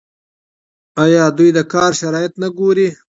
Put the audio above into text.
آیا دوی د کار شرایط نه ګوري؟